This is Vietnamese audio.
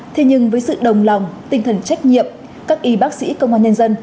thế nhưng với sự đồng lòng tinh thần trách nhiệm các y bác sĩ công an nhân dân